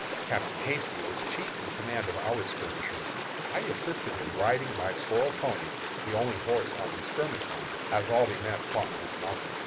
Captain Hasty was chief in command of our skirmishers. I assisted him, riding my sorrel pony, the only horse on the skirmish line, as all the men fought dismounted.